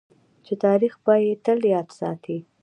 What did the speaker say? چې تاریخ به یې تل یاد ساتي.